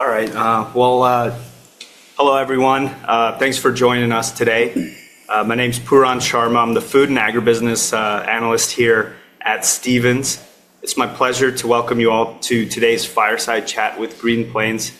All right. Hello, everyone. Thanks for joining us today. My name's Pooran Sharma. I'm the Food and Agribusiness Analyst here at Stephens. It's my pleasure to welcome you all to today's fireside chat with Green Plains.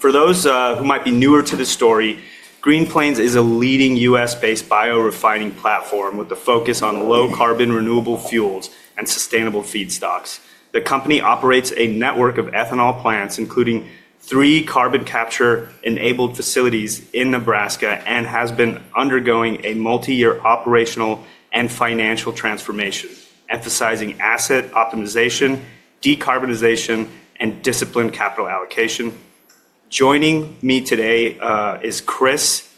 For those who might be newer to the story, Green Plains is a leading U.S.-based biorefining platform with a focus on low-carbon renewable fuels and sustainable feedstocks. The company operates a network of ethanol plants, including three carbon-capture-enabled facilities in Nebraska, and has been undergoing a multi-year operational and financial transformation, emphasizing asset optimization, decarbonization, and disciplined capital allocation. Joining me today is Chris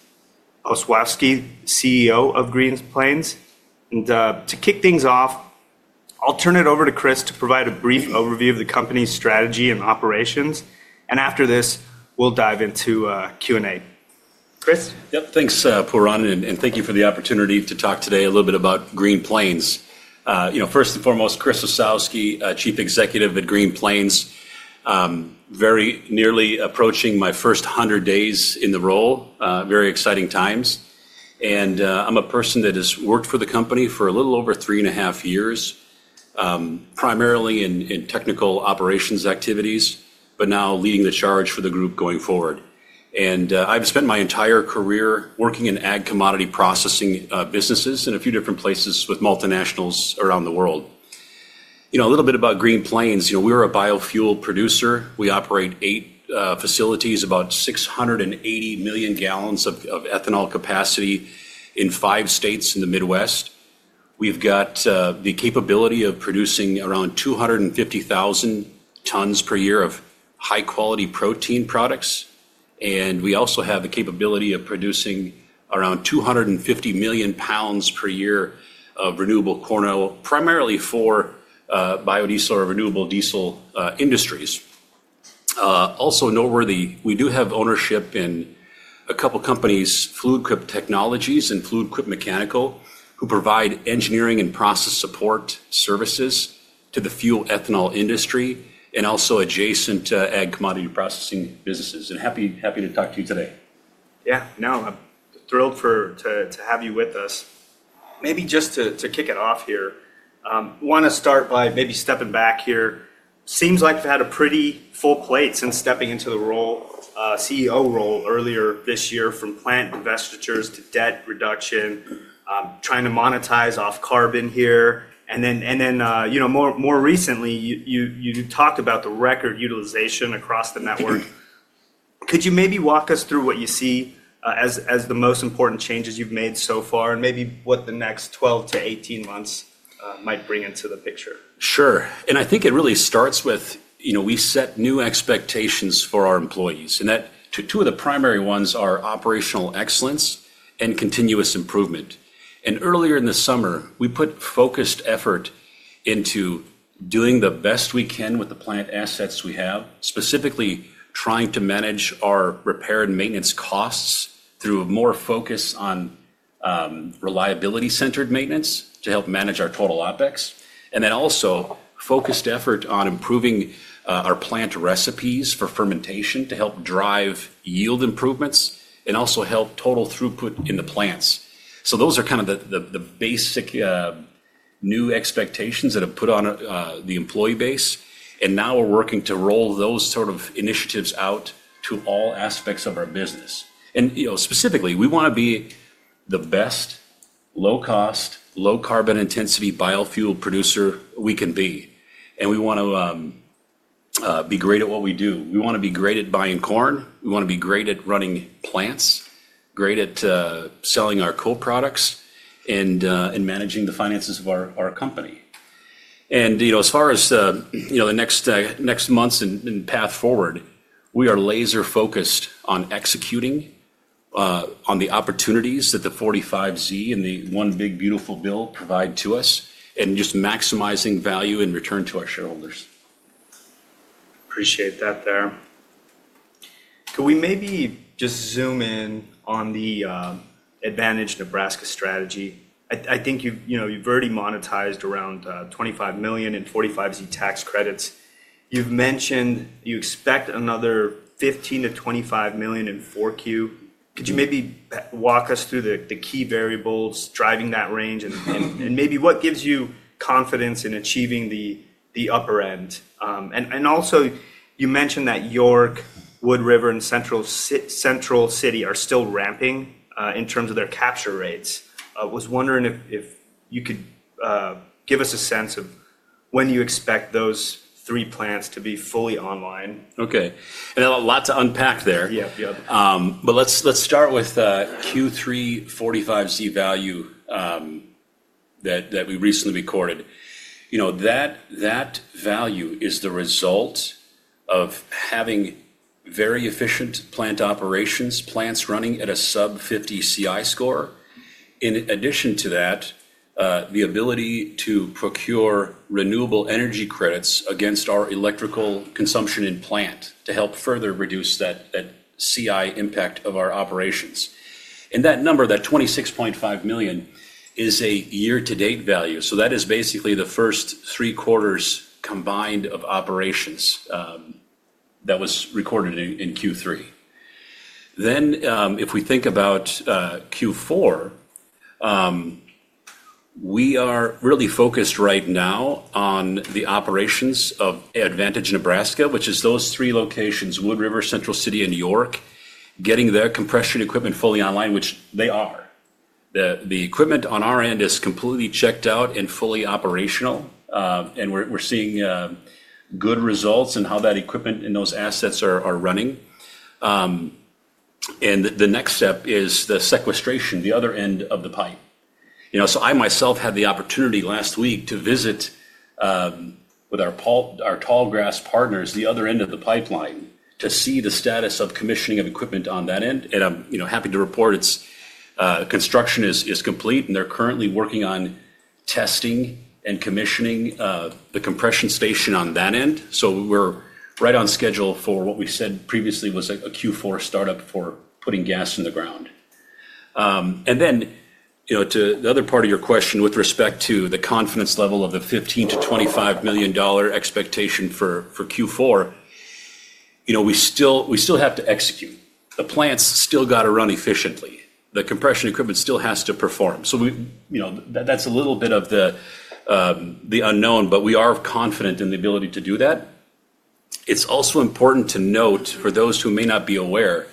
Osowski, CEO of Green Plains. To kick things off, I'll turn it over to Chris to provide a brief overview of the company's strategy and operations. After this, we'll dive into Q&A. Chris? Yep. Thanks, Pooran, and thank you for the opportunity to talk today a little bit about Green Plains. First and foremost, Chris Osowski, Chief Executive Officer at Green Plains, very nearly approaching my first 100 days in the role, very exciting times. I'm a person that has worked for the company for a little over three and a half years, primarily in technical operations activities, but now leading the charge for the group going forward. I've spent my entire career working in ag commodity processing businesses in a few different places with multinationals around the world. A little bit about Green Plains. We're a biofuel producer. We operate eight facilities, about 680 million gallons of ethanol capacity in five states in the Midwest. We've got the capability of producing around 250,000 tons per year of high-quality protein products. We also have the capability of producing around 250 million pounds per year of renewable corn oil, primarily for biodiesel and renewable diesel industries. Also noteworthy, we do have ownership in a couple of companies, Fluid Quip Technologies and Fluid Quip Mechanical, who provide engineering and process support services to the fuel ethanol industry and also adjacent ag commodity processing businesses. Happy to talk to you today. Yeah. No, I'm thrilled to have you with us. Maybe just to kick it off here, I want to start by maybe stepping back here. Seems like you've had a pretty full plate since stepping into the CEO role earlier this year from plant investitures to debt reduction, trying to monetize off carbon here. More recently, you talked about the record utilization across the network. Could you maybe walk us through what you see as the most important changes you've made so far and maybe what the next 12 to 18 months might bring into the picture? Sure. I think it really starts with we set new expectations for our employees. Two of the primary ones are operational excellence and continuous improvement. Earlier in the summer, we put focused effort into doing the best we can with the plant assets we have, specifically trying to manage our repair and maintenance costs through a more focus on reliability-centered maintenance to help manage our total OpEx. Also, focused effort on improving our plant recipes for fermentation to help drive yield improvements and also help total throughput in the plants. Those are kind of the basic new expectations that have put on the employee base. Now we're working to roll those sort of initiatives out to all aspects of our business. Specifically, we want to be the best, low-cost, low-carbon intensity biofuel producer we can be. We want to be great at what we do. We want to be great at buying corn. We want to be great at running plants, great at selling our co-products, and managing the finances of our company. As far as the next months and path forward, we are laser-focused on executing on the opportunities that the 45Z and the one big beautiful bill provide to us and just maximizing value and return to our shareholders. Appreciate that there. Could we maybe just zoom in on the Advantage Nebraska strategy? I think you've already monetized around $25 million in 45Z tax credits. You've mentioned you expect another $15 million-$25 million in Q4. Could you maybe walk us through the key variables driving that range and maybe what gives you confidence in achieving the upper end? You also mentioned that York, Wood River, and Central City are still ramping in terms of their capture rates. I was wondering if you could give us a sense of when you expect those three plants to be fully online. Okay. A lot to unpack there. Yep, yep. Let's start with Q3 45Z value that we recently recorded. That value is the result of having very efficient plant operations, plants running at a sub-50 CI score. In addition to that, the ability to procure renewable energy credits against our electrical consumption in plant to help further reduce that CI impact of our operations. That number, that $26.5 million, is a year-to-date value. That is basically the first three quarters combined of operations that was recorded in Q3. If we think about Q4, we are really focused right now on the operations of Advantage Nebraska, which is those three locations, Wood River, Central City, and York, getting their compression equipment fully online, which they are. The equipment on our end is completely checked out and fully operational. We are seeing good results in how that equipment and those assets are running. The next step is the sequestration, the other end of the pipe. I myself had the opportunity last week to visit with our Tallgrass partners at the other end of the pipeline to see the status of commissioning of equipment on that end. I am happy to report its construction is complete. They are currently working on testing and commissioning the compression station on that end. We are right on schedule for what we said previously was a Q4 startup for putting gas in the ground. To the other part of your question with respect to the confidence level of the $15 million-$25 million expectation for Q4, we still have to execute. The plants still have to run efficiently. The compression equipment still has to perform. That is a little bit of the unknown, but we are confident in the ability to do that. It's also important to note for those who may not be aware,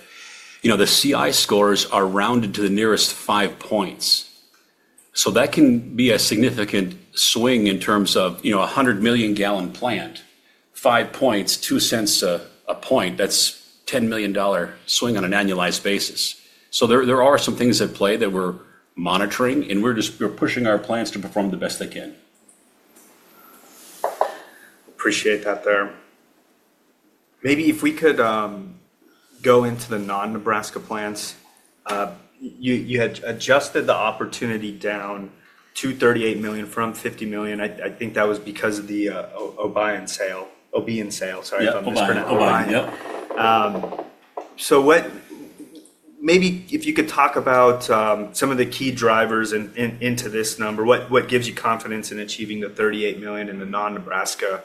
the CI scores are rounded to the nearest five points. That can be a significant swing in terms of a 100 million gallon plant, five points, two cents a point. That's a $10 million swing on an annualized basis. There are some things at play that we're monitoring, and we're pushing our plants to perform the best they can. Appreciate that there. Maybe if we could go into the non-Nebraska plants. You had adjusted the opportunity down to $38 million from $50 million. I think that was because of the Obion sale. Obion sale, sorry if I mispronounced Obion. Yep. Maybe if you could talk about some of the key drivers into this number, what gives you confidence in achieving the $38 million in the non-Nebraska?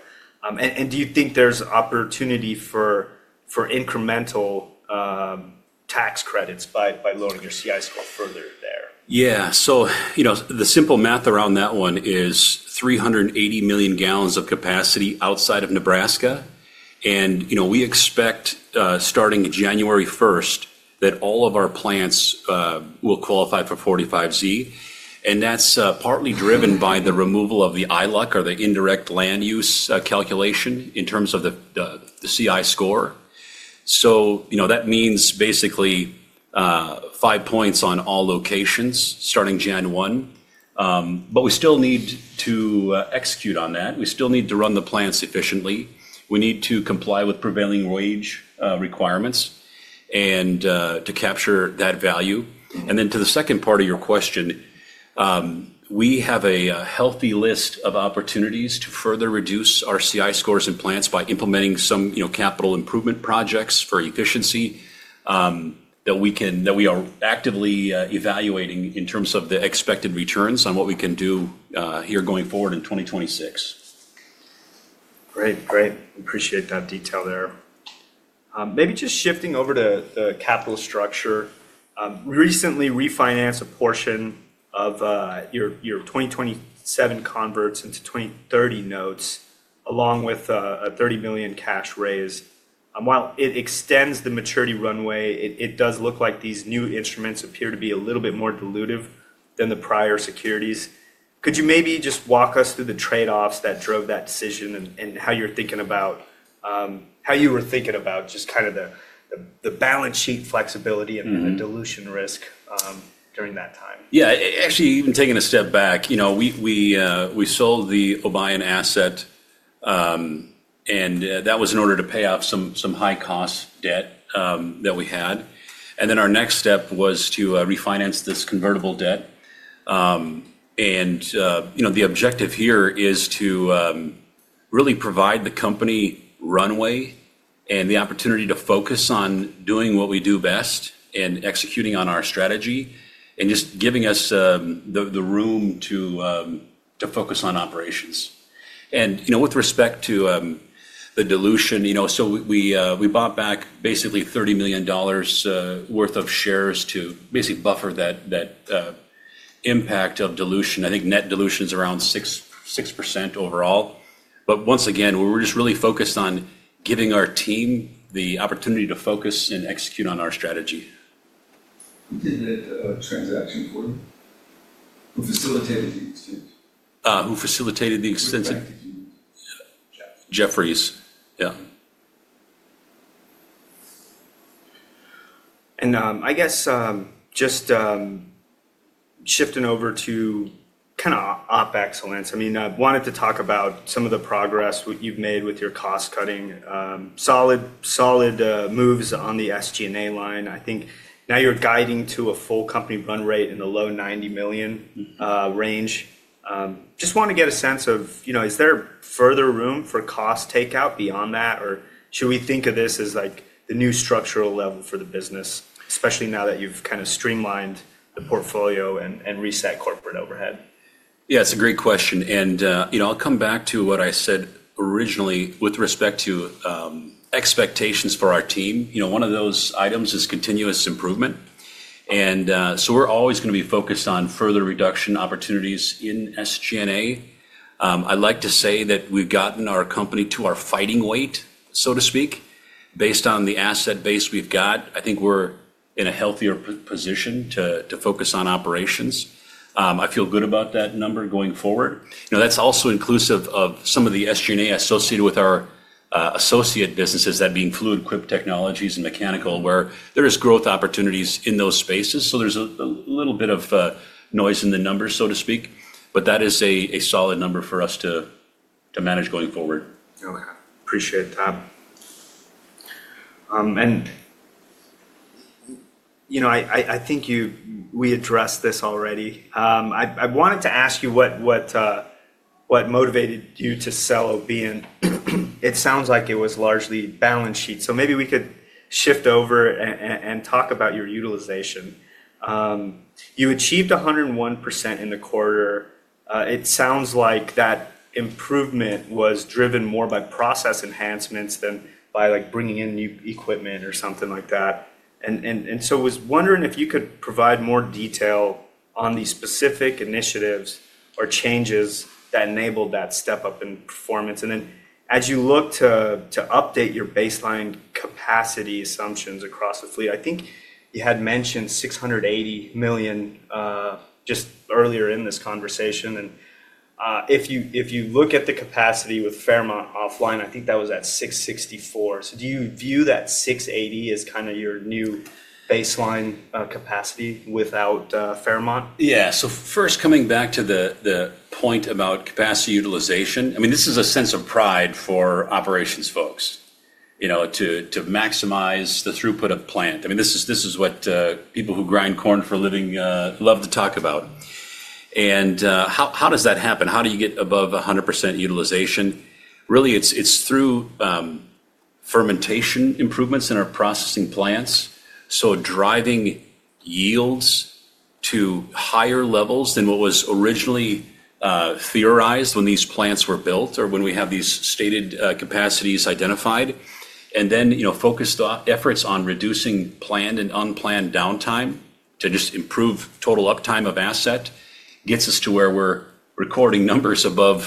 Do you think there's opportunity for incremental tax credits by lowering your CI score further there? Yeah. The simple math around that one is 380 million gallons of capacity outside of Nebraska. We expect starting January 1 that all of our plants will qualify for 45Z. That is partly driven by the removal of the ILOC or the indirect land use calculation in terms of the CI score. That means basically five points on all locations starting January 1. We still need to execute on that. We still need to run the plants efficiently. We need to comply with prevailing wage requirements to capture that value. To the second part of your question, we have a healthy list of opportunities to further reduce our CI scores in plants by implementing some capital improvement projects for efficiency that we are actively evaluating in terms of the expected returns on what we can do here going forward in 2026. Great, great. Appreciate that detail there. Maybe just shifting over to the capital structure. We recently refinanced a portion of your 2027 converts into 2030 notes along with a $30 million cash raise. While it extends the maturity runway, it does look like these new instruments appear to be a little bit more dilutive than the prior securities. Could you maybe just walk us through the trade-offs that drove that decision and how you were thinking about just kind of the balance sheet flexibility and the dilution risk during that time? Yeah. Actually, even taking a step back, we sold the Obion asset, and that was in order to pay off some high-cost debt that we had. Then our next step was to refinance this convertible debt. The objective here is to really provide the company runway and the opportunity to focus on doing what we do best and executing on our strategy and just giving us the room to focus on operations. With respect to the dilution, we bought back basically $30 million worth of shares to basically buffer that impact of dilution. I think net dilution is around 6% overall. Once again, we were just really focused on giving our team the opportunity to focus and execute on our strategy. Who did the transaction for you? Who facilitated the exchange? Who facilitated the exchange? Jefferies. Yeah. I guess just shifting over to kind of op excellence. I mean, I wanted to talk about some of the progress you've made with your cost-cutting. Solid moves on the SG&A line. I think now you're guiding to a full company run rate in the low $90 million range. Just want to get a sense of, is there further room for cost takeout beyond that, or should we think of this as the new structural level for the business, especially now that you've kind of streamlined the portfolio and reset corporate overhead? Yeah, it's a great question. I'll come back to what I said originally with respect to expectations for our team. One of those items is continuous improvement. We're always going to be focused on further reduction opportunities in SG&A. I'd like to say that we've gotten our company to our fighting weight, so to speak, based on the asset base we've got. I think we're in a healthier position to focus on operations. I feel good about that number going forward. That's also inclusive of some of the SG&A associated with our associate businesses, that being Fluid Quip Technologies and Fluid Quip Mechanical, where there are growth opportunities in those spaces. There's a little bit of noise in the numbers, so to speak. That is a solid number for us to manage going forward. Okay. Appreciate that. I think we addressed this already. I wanted to ask you what motivated you to sell Obion. It sounds like it was largely balance sheet. Maybe we could shift over and talk about your utilization. You achieved 101% in the quarter. It sounds like that improvement was driven more by process enhancements than by bringing in new equipment or something like that. I was wondering if you could provide more detail on the specific initiatives or changes that enabled that step up in performance. As you look to update your baseline capacity assumptions across the fleet, I think you had mentioned 680 million just earlier in this conversation. If you look at the capacity with Fairmont offline, I think that was at 664. Do you view that 680 as kind of your new baseline capacity without Fairmont? Yeah. First, coming back to the point about capacity utilization, I mean, this is a sense of pride for operations folks to maximize the throughput of plant. I mean, this is what people who grind corn for a living love to talk about. How does that happen? How do you get above 100% utilization? Really, it's through fermentation improvements in our processing plants. Driving yields to higher levels than what was originally theorized when these plants were built or when we have these stated capacities identified. Focused efforts on reducing planned and unplanned downtime to just improve total uptime of asset gets us to where we're recording numbers above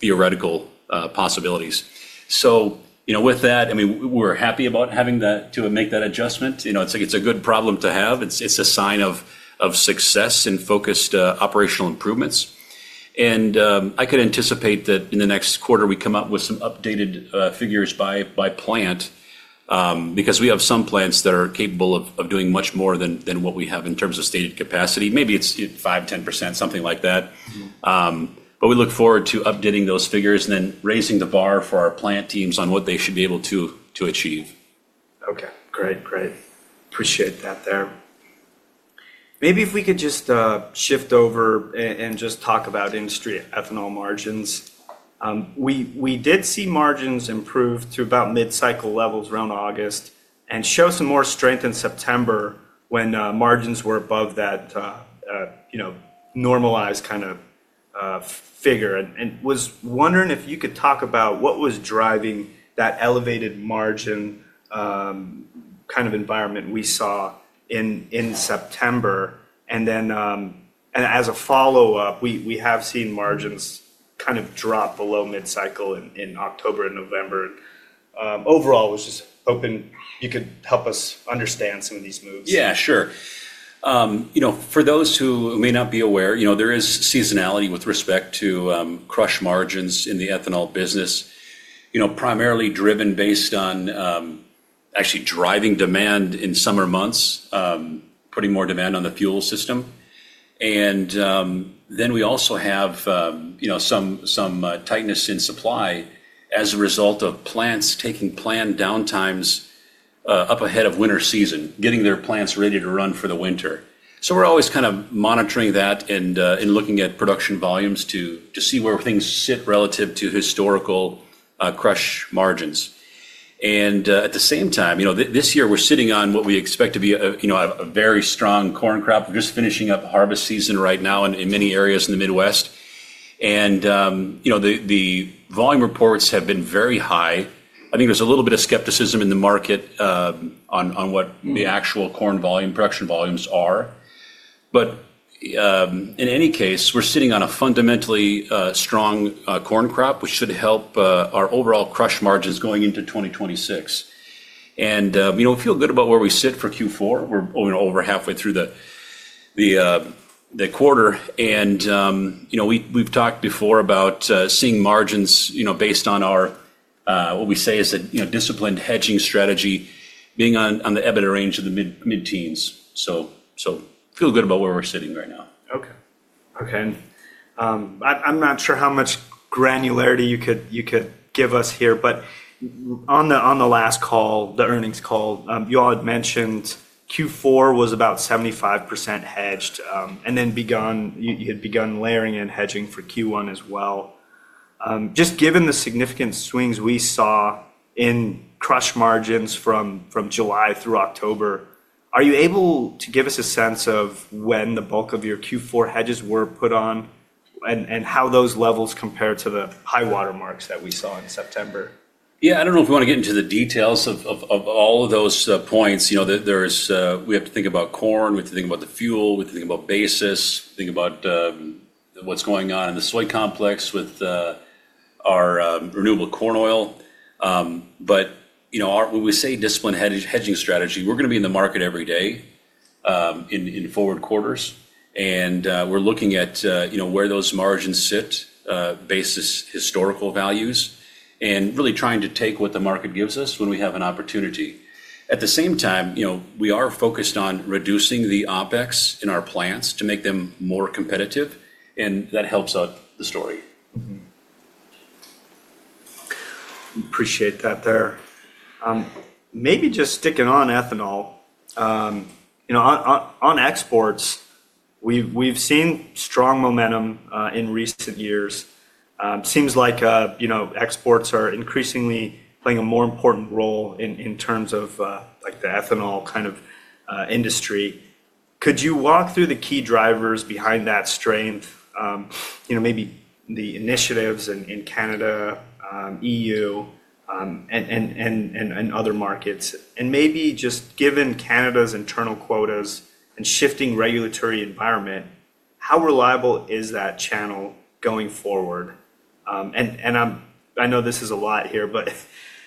theoretical possibilities. With that, I mean, we're happy about having to make that adjustment. It's a good problem to have. It's a sign of success and focused operational improvements. I could anticipate that in the next quarter, we come up with some updated figures by plant because we have some plants that are capable of doing much more than what we have in terms of stated capacity. Maybe it is 5-10%, something like that. We look forward to updating those figures and then raising the bar for our plant teams on what they should be able to achieve. Okay. Great, great. Appreciate that there. Maybe if we could just shift over and just talk about industry ethanol margins. We did see margins improve to about mid-cycle levels around August and show some more strength in September when margins were above that normalized kind of figure. I was wondering if you could talk about what was driving that elevated margin kind of environment we saw in September. As a follow-up, we have seen margins kind of drop below mid-cycle in October and November. Overall, I was just hoping you could help us understand some of these moves. Yeah, sure. For those who may not be aware, there is seasonality with respect to crush margins in the ethanol business, primarily driven based on actually driving demand in summer months, putting more demand on the fuel system. We also have some tightness in supply as a result of plants taking planned downtimes up ahead of winter season, getting their plants ready to run for the winter. We are always kind of monitoring that and looking at production volumes to see where things sit relative to historical crush margins. At the same time, this year, we are sitting on what we expect to be a very strong corn crop. We are just finishing up harvest season right now in many areas in the Midwest. The volume reports have been very high. I think there's a little bit of skepticism in the market on what the actual corn production volumes are. In any case, we're sitting on a fundamentally strong corn crop, which should help our overall crush margins going into 2026. We feel good about where we sit for Q4. We're over halfway through the quarter. We've talked before about seeing margins based on what we say is a disciplined hedging strategy being on the EBITDA range of the mid-teens. We feel good about where we're sitting right now. Okay. Okay. I'm not sure how much granularity you could give us here, but on the last call, the earnings call, you all had mentioned Q4 was about 75% hedged. And then you had begun layering in hedging for Q1 as well. Just given the significant swings we saw in crush margins from July through October, are you able to give us a sense of when the bulk of your Q4 hedges were put on and how those levels compare to the high watermarks that we saw in September? Yeah. I do not know if we want to get into the details of all of those points. We have to think about corn. We have to think about the fuel. We have to think about basis. We have to think about what is going on in the soy complex with our renewable corn oil. When we say disciplined hedging strategy, we are going to be in the market every day in forward quarters. We are looking at where those margins sit, basis historical values, and really trying to take what the market gives us when we have an opportunity. At the same time, we are focused on reducing the OPEX in our plants to make them more competitive. That helps out the story. Appreciate that there. Maybe just sticking on ethanol. On exports, we've seen strong momentum in recent years. Seems like exports are increasingly playing a more important role in terms of the ethanol kind of industry. Could you walk through the key drivers behind that strength, maybe the initiatives in Canada, EU, and other markets? Maybe just given Canada's internal quotas and shifting regulatory environment, how reliable is that channel going forward? I know this is a lot here, but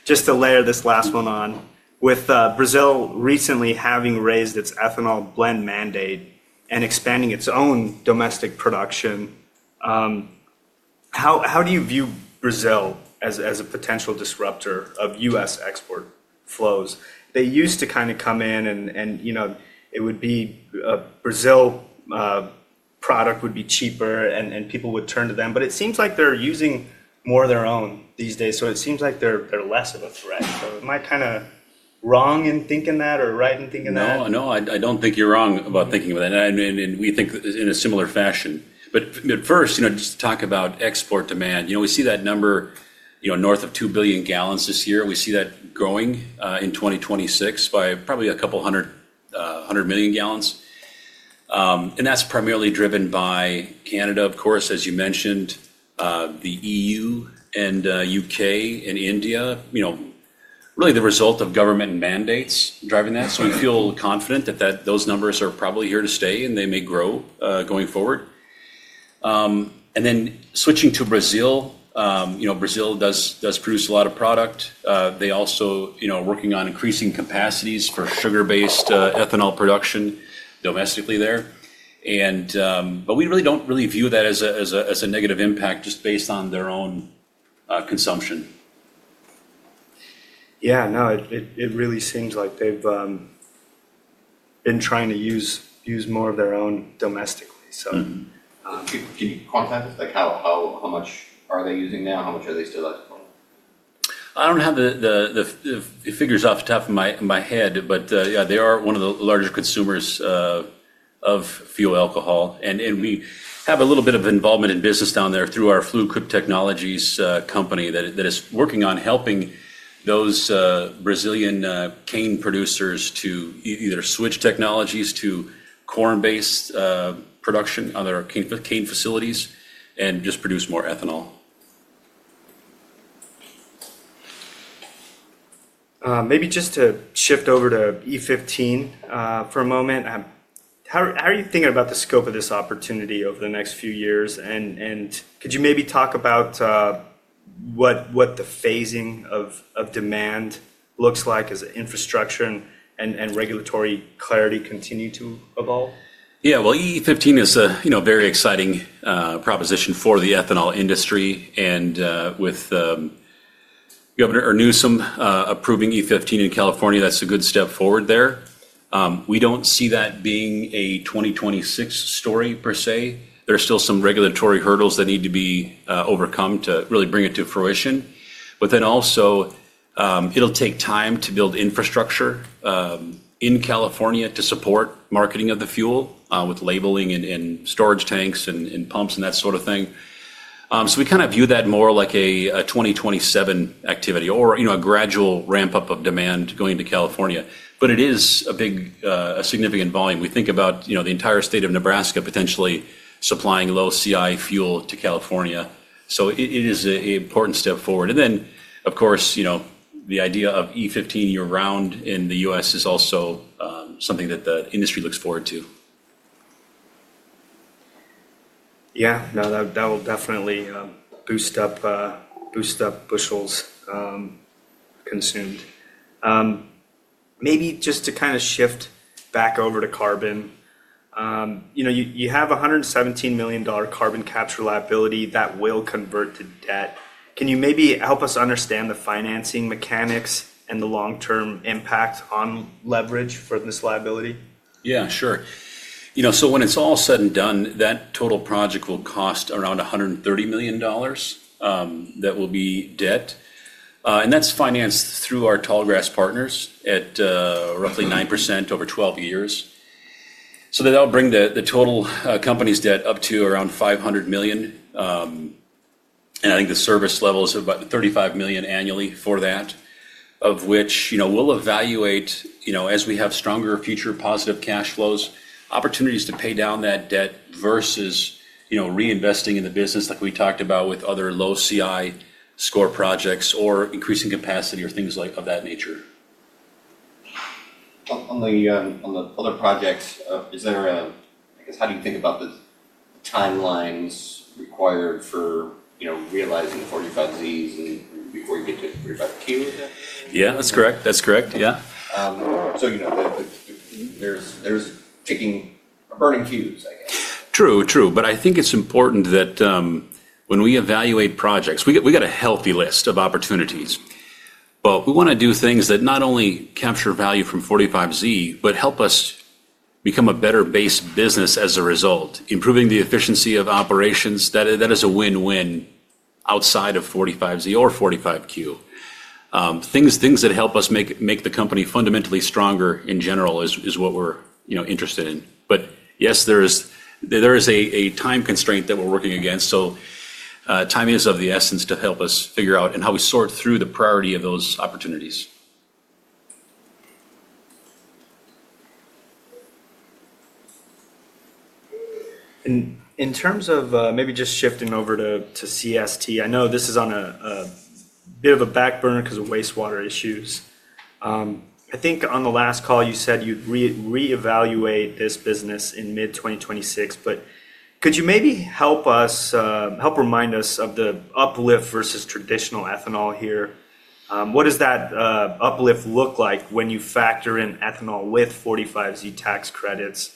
just to layer this last one on, with Brazil recently having raised its ethanol blend mandate and expanding its own domestic production, how do you view Brazil as a potential disruptor of US export flows? They used to kind of come in, and it would be Brazil product would be cheaper, and people would turn to them. It seems like they're using more of their own these days. It seems like they're less of a threat. Am I kind of wrong in thinking that or right in thinking that? No, no. I don't think you're wrong about thinking of that. We think in a similar fashion. First, just to talk about export demand. We see that number north of 2 billion gallons this year. We see that growing in 2026 by probably a couple of hundred million gallons. That's primarily driven by Canada, of course, as you mentioned, the EU, the U.K., and India, really the result of government mandates driving that. We feel confident that those numbers are probably here to stay, and they may grow going forward. Switching to Brazil, Brazil does produce a lot of product. They also are working on increasing capacities for sugar-based ethanol production domestically there. We really don't view that as a negative impact just based on their own consumption. Yeah. No, it really seems like they've been trying to use more of their own domestically. Can you quantize it? How much are they using now? How much are they still at the point? I don't have the figures off the top of my head, but they are one of the larger consumers of fuel alcohol. We have a little bit of involvement in business down there through our Fluid Quip Technologies company that is working on helping those Brazilian cane producers to either switch technologies to corn-based production on their cane facilities and just produce more ethanol. Maybe just to shift over to E15 for a moment, how are you thinking about the scope of this opportunity over the next few years? Could you maybe talk about what the phasing of demand looks like as infrastructure and regulatory clarity continue to evolve? Yeah. E15 is a very exciting proposition for the ethanol industry. With Governor Newsom approving E15 in California, that's a good step forward there. We do not see that being a 2026 story per se. There are still some regulatory hurdles that need to be overcome to really bring it to fruition. It will take time to build infrastructure in California to support marketing of the fuel with labeling and storage tanks and pumps and that sort of thing. We kind of view that more like a 2027 activity or a gradual ramp-up of demand going to California. It is a significant volume. We think about the entire state of Nebraska potentially supplying low-CI fuel to California. It is an important step forward. The idea of E15 year-round in the U.S. is also something that the industry looks forward to. Yeah. No, that will definitely boost up bushels consumed. Maybe just to kind of shift back over to carbon, you have a $117 million carbon capture liability that will convert to debt. Can you maybe help us understand the financing mechanics and the long-term impact on leverage for this liability? Yeah, sure. When it's all said and done, that total project will cost around $130 million that will be debt. That's financed through our Tallgrass partners at roughly 9% over 12 years. That'll bring the total company's debt up to around $500 million. I think the service level is about $35 million annually for that, of which we'll evaluate as we have stronger future positive cash flows, opportunities to pay down that debt versus reinvesting in the business like we talked about with other low-CI score projects or increasing capacity or things of that nature. On the other projects, is there a—I guess, how do you think about the timelines required for realizing 45Zs before you get to 45Q? Yeah, that's correct. That's correct. Yeah. There is taking burning Qs, I guess. True, true. I think it's important that when we evaluate projects, we've got a healthy list of opportunities. We want to do things that not only capture value from 45Z, but help us become a better-based business as a result, improving the efficiency of operations. That is a win-win outside of 45Z or 45Q. Things that help us make the company fundamentally stronger in general is what we're interested in. Yes, there is a time constraint that we're working against. Timing is of the essence to help us figure out and how we sort through the priority of those opportunities. In terms of maybe just shifting over to CST, I know this is on a bit of a back burner because of wastewater issues. I think on the last call, you said you'd reevaluate this business in mid-2026. Could you maybe help remind us of the uplift versus traditional ethanol here? What does that uplift look like when you factor in ethanol with 45Z tax credits?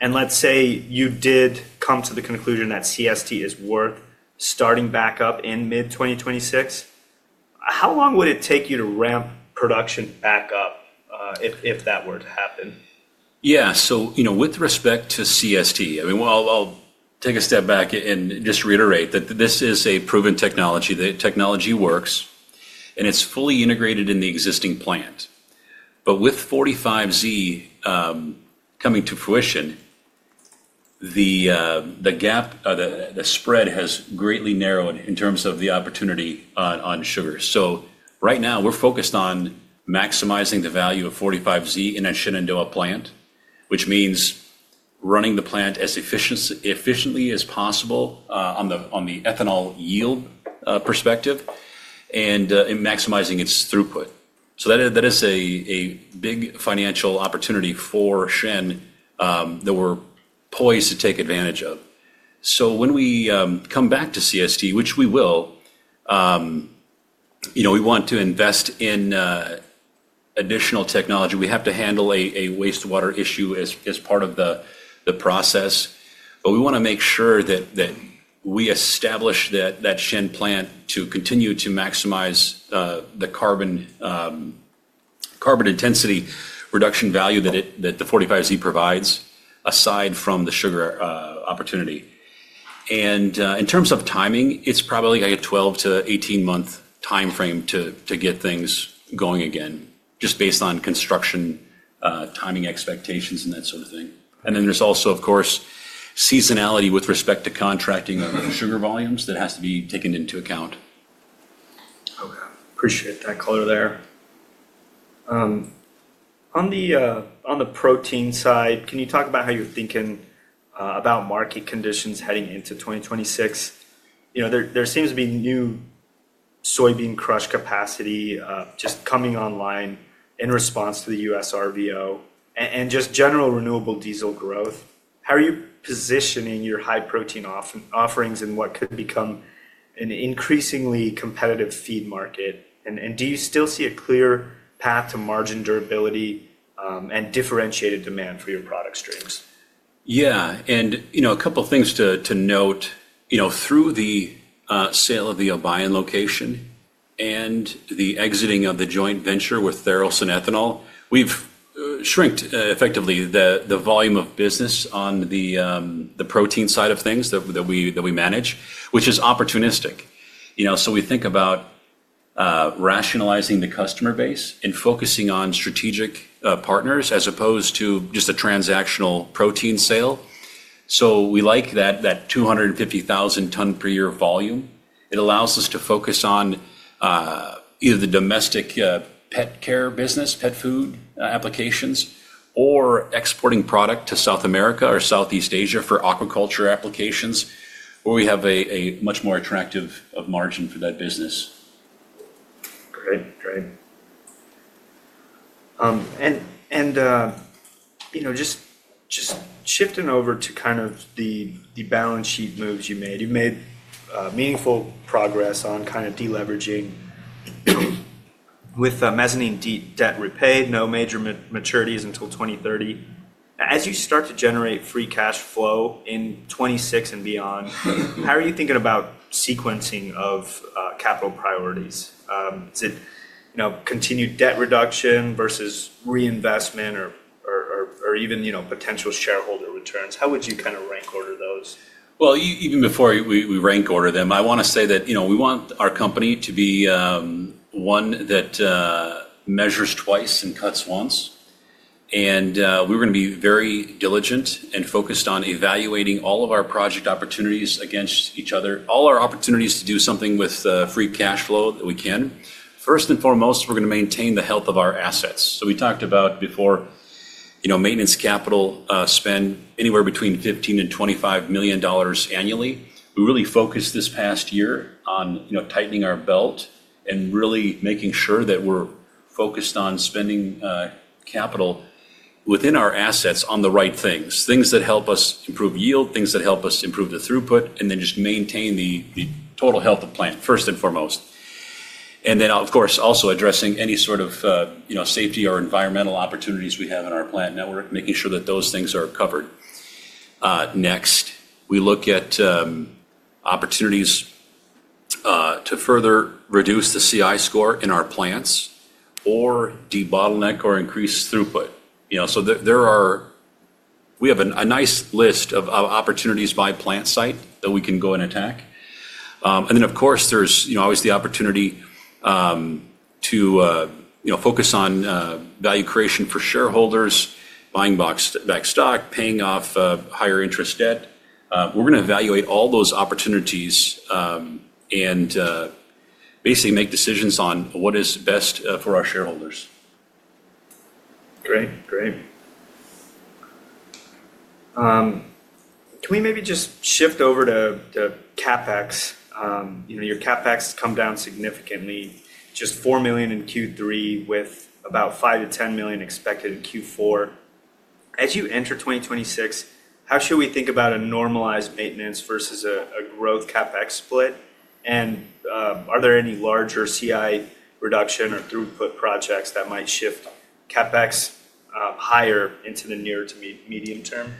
Let's say you did come to the conclusion that CST is worth starting back up in mid-2026. How long would it take you to ramp production back up if that were to happen? Yeah. With respect to CST, I mean, I'll take a step back and just reiterate that this is a proven technology. The technology works. It's fully integrated in the existing plant. With 45Z coming to fruition, the gap, the spread has greatly narrowed in terms of the opportunity on sugar. Right now, we're focused on maximizing the value of 45Z in a Shenandoah plant, which means running the plant as efficiently as possible on the ethanol yield perspective and maximizing its throughput. That is a big financial opportunity for Shen that we're poised to take advantage of. When we come back to CST, which we will, we want to invest in additional technology. We have to handle a wastewater issue as part of the process. We want to make sure that we establish that Shen plant to continue to maximize the carbon intensity reduction value that the 45Z provides aside from the sugar opportunity. In terms of timing, it is probably a 12-18 month timeframe to get things going again just based on construction timing expectations and that sort of thing. There is also, of course, seasonality with respect to contracting of sugar volumes that has to be taken into account. Okay. Appreciate that color there. On the protein side, can you talk about how you're thinking about market conditions heading into 2026? There seems to be new soybean crush capacity just coming online in response to the US RVO and just general renewable diesel growth. How are you positioning your high-protein offerings in what could become an increasingly competitive feed market? Do you still see a clear path to margin durability and differentiated demand for your product streams? Yeah. A couple of things to note. Through the sale of the Obion location and the exiting of the joint venture with Tharaldson Ethanol, we've shrunk effectively the volume of business on the protein side of things that we manage, which is opportunistic. We think about rationalizing the customer base and focusing on strategic partners as opposed to just a transactional protein sale. We like that 250,000-ton per year volume. It allows us to focus on either the domestic pet care business, pet food applications, or exporting product to South America or Southeast Asia for aquaculture applications where we have a much more attractive margin for that business. Great, great. Just shifting over to kind of the balance sheet moves you made, you made meaningful progress on kind of deleveraging with mezzanine debt repaid, no major maturities until 2030. As you start to generate free cash flow in 2026 and beyond, how are you thinking about sequencing of capital priorities? Is it continued debt reduction versus reinvestment or even potential shareholder returns? How would you kind of rank order those? Even before we rank order them, I want to say that we want our company to be one that measures twice and cuts once. We're going to be very diligent and focused on evaluating all of our project opportunities against each other, all our opportunities to do something with free cash flow that we can. First and foremost, we're going to maintain the health of our assets. We talked about before maintenance capital spend anywhere between $15 million and $25 million annually. We really focused this past year on tightening our belt and really making sure that we're focused on spending capital within our assets on the right things, things that help us improve yield, things that help us improve the throughput, and then just maintain the total health of the plant, first and foremost. Of course, also addressing any sort of safety or environmental opportunities we have in our plant network, making sure that those things are covered. Next, we look at opportunities to further reduce the CI score in our plants or de-bottleneck or increase throughput. We have a nice list of opportunities by plant site that we can go and attack. Of course, there is always the opportunity to focus on value creation for shareholders, buying back stock, paying off higher-interest debt. We are going to evaluate all those opportunities and basically make decisions on what is best for our shareholders. Great, great. Can we maybe just shift over to CapEx? Your CapEx has come down significantly, just $4 million in Q3 with about $5-$10 million expected in Q4. As you enter 2026, how should we think about a normalized maintenance versus a growth CapEx split? Are there any larger CI reduction or throughput projects that might shift CapEx higher into the near to medium term?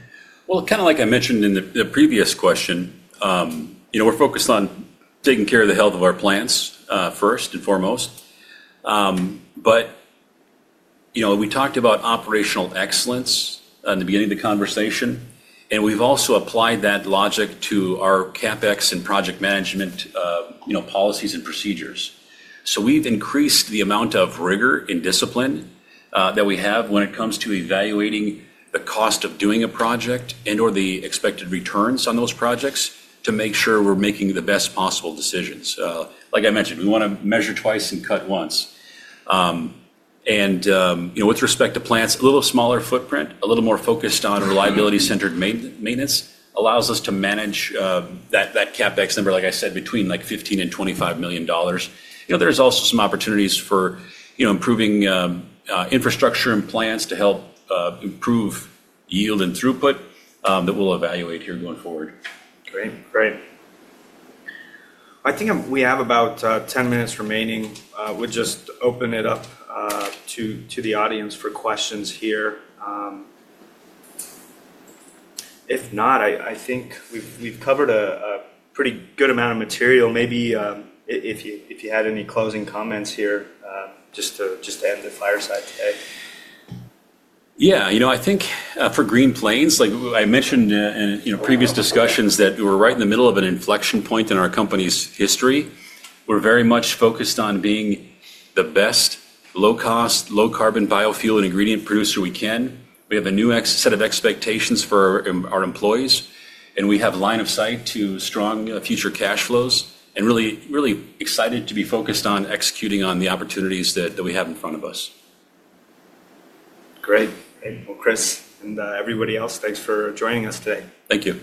Like I mentioned in the previous question, we're focused on taking care of the health of our plants first and foremost. We talked about operational excellence in the beginning of the conversation. We've also applied that logic to our CapEx and project management policies and procedures. We've increased the amount of rigor and discipline that we have when it comes to evaluating the cost of doing a project and/or the expected returns on those projects to make sure we're making the best possible decisions. Like I mentioned, we want to measure twice and cut once. With respect to plants, a little smaller footprint, a little more focused on reliability-centered maintenance allows us to manage that CapEx number, like I said, between $15 million and $25 million. There's also some opportunities for improving infrastructure in plants to help improve yield and throughput that we'll evaluate here going forward. Great, great. I think we have about 10 minutes remaining. We'll just open it up to the audience for questions here. If not, I think we've covered a pretty good amount of material. Maybe if you had any closing comments here just to end the fireside today. Yeah. I think for Green Plains, I mentioned in previous discussions that we're right in the middle of an inflection point in our company's history. We're very much focused on being the best low-cost, low-carbon biofuel and ingredient producer we can. We have a new set of expectations for our employees. We have line of sight to strong future cash flows and really excited to be focused on executing on the opportunities that we have in front of us. Great. Chris and everybody else, thanks for joining us today. Thank you.